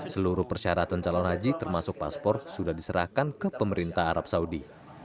seluruh persyaratan calon haji termasuk paspor sudah diserahkan ke pemerintah arab saudi